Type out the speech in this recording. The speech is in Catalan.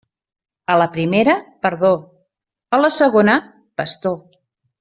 A la primera, perdó; a la segona, bastó.